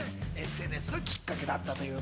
ＳＮＳがきっかけだったという。